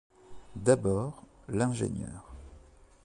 D’abord, l’ingénieur...